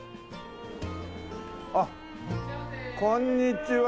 あっこんにちは。